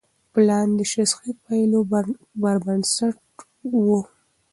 پلان د شخصي پایلو پر بنسټ و.